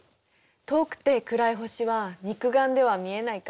遠くて暗い星は肉眼では見えないから。